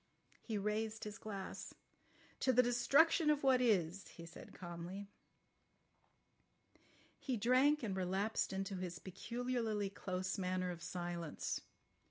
He raised his glass. "To the destruction of what is," he said calmly. He drank and relapsed into his peculiarly close manner of silence.